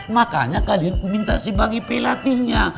makanya kalian kuminta si bang ipe latihnya